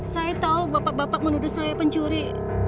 saya tahu bapak bapak menuduh saya pencuri